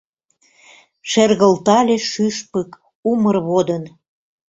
Шергылтале шӱшпык умыр водын.